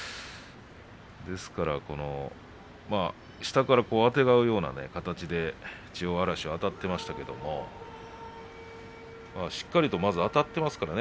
ですから下からあてがうような形で千代嵐はあたっていましたけれどしっかりとまずはあたっていますからね